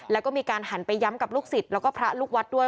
แล้วก็มีการหันไปย้ำกับลูกศิษย์แล้วก็พระลูกวัดด้วย